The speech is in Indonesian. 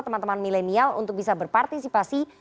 teman teman milenial untuk bisa berpartisipasi